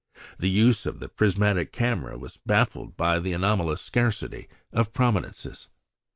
The use of the prismatic camera was baffled by the anomalous scarcity of prominences.